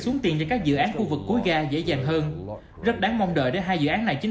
xuống tiền cho các dự án khu vực cuối ga dễ dàng hơn rất đáng mong đợi để hai dự án này chính